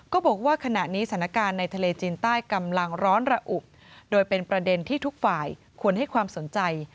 ก็บอกว่าขณะนี้สถานการณ์ในทะเลจีนใต้กำลังร้อนระอุโดยเป็นประเด็นที่ทุกฝ่ายควรให้ความสนใจ